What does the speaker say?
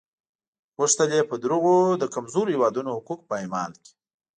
غوښتل یې په دروغو د کمزورو هېوادونو حقوق پایمال کړي.